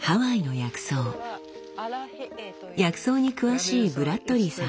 薬草に詳しいブラッドリーさん。